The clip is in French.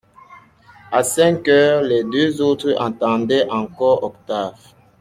A cinq heures, les deux autres attendaient encore Octave.